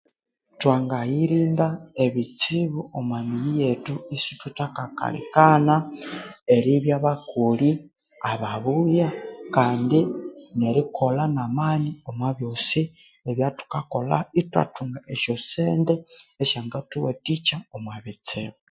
Thwangayirinda ebitsibu omwa miyi yethu isithwatha kakalhukana eribya bakoli babuya kandi nerikolha namani omwa byosi ebyathukakolha ithwathunga esyosente esyangathuwathikya omwa bitsibu